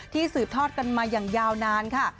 สืบทอดกันมาอย่างยาวนานค่ะ